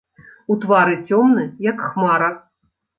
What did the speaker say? У твары цёмны, як хмара.